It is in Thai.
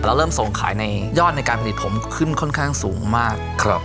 เริ่มส่งขายในยอดในการผลิตผมขึ้นค่อนข้างสูงมาก